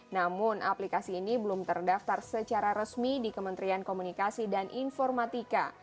namun aplikasi ini belum terdaftar secara resmi di kementerian komunikasi dan informatika